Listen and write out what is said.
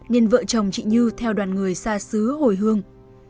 nên vợ chồng chị như theo đoàn người xa xứ hồi hương